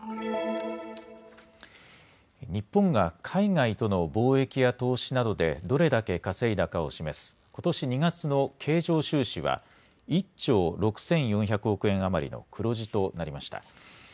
日本が海外との貿易や投資などでどれだけ稼いだかを示すことし２月の経常収支は１兆６４００億円余りの黒字となりました。